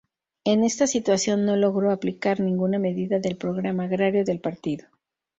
En esta situación, no logró aplicar ninguna medida del programa agrario del partido.